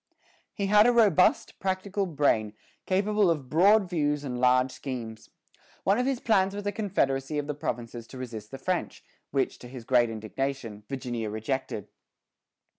He had a robust, practical brain, capable of broad views and large schemes. One of his plans was a confederacy of the provinces to resist the French, which, to his great indignation, Virginia rejected.